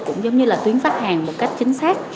cũng giống như là tuyến khách hàng một cách chính xác